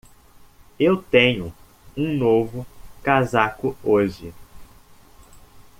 Eu tenho um novo casaco hoje.